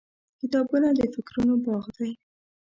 • کتابونه د فکرونو باغ دی.